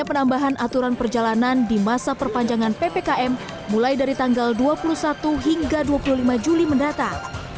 perjalanan perpanjangan ppkm mulai dari tanggal dua puluh satu hingga dua puluh lima juli mendatang